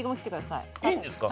いいんですか？